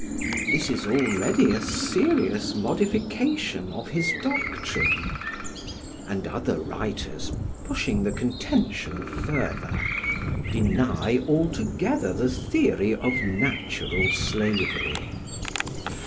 This is already a serious modification of his doctrine. And other writers, pushing the contention further, deny altogether the theory of natural slavery.